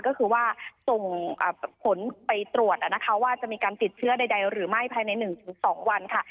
ก็คือว่าส่งผลไปตรวจว่าจะมีการติดเชื้อใดหรือไม่ภายใน๑๒วันค่ะ